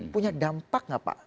punya dampak gak pak